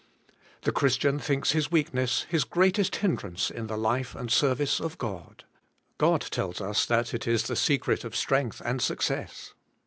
The Christian thinks his weakness his greatest hin drance in the life and service of God : God tells ns that it is the secret of strength and success.